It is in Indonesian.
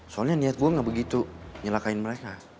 soalnya niat gue gak begitu nyelakain mereka